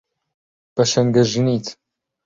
بە شەنگەژنیت